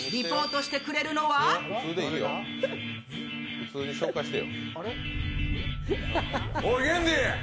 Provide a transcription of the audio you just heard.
普通に紹介してよ。